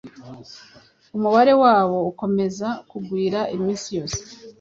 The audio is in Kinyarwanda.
umubare wabo ukomeza kugwira iminsi yose.